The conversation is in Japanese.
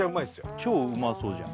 超うまそうじゃん